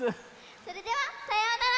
それではさようなら！